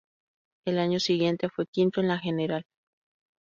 Al año siguiente fue quinto en la general.